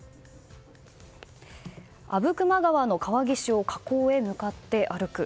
阿武隈川の川岸を河口へ向かって歩く。